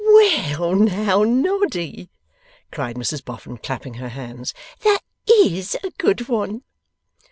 'Well! Now, Noddy!' cried Mrs Boffin, clapping her hands, 'That IS a good one!